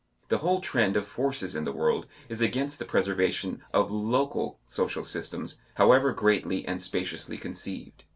The whole trend of forces in the world is against the preservation of local social systems however greatly and spaciously conceived.